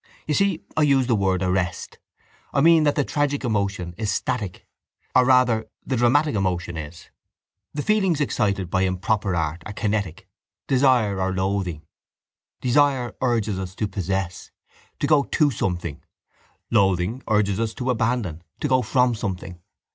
You see I use the word arrest. I mean that the tragic emotion is static. Or rather the dramatic emotion is. The feelings excited by improper art are kinetic, desire or loathing. Desire urges us to possess, to go to something; loathing urges us to abandon, to go from something.